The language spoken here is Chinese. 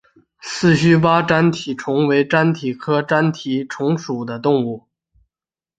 四须鲃粘体虫为粘体科粘体虫属的动物。